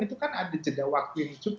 itu kan ada jeda waktu yang cukup